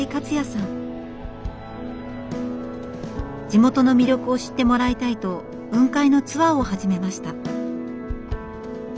地元の魅力を知ってもらいたいと雲海のツアーを始めました。